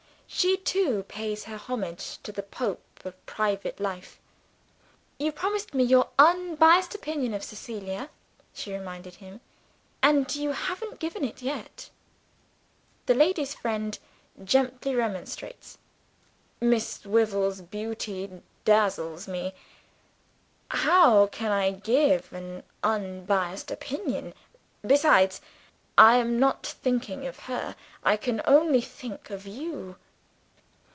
She too pays her homage to the Pope of private life. "You promised me your unbiased opinion of Cecilia," she reminds him; "and you haven't given it yet." The ladies' friend gently remonstrates. "Miss Wyvil's beauty dazzles me. How can I give an unbiased opinion? Besides, I am not thinking of her; I can only think of you."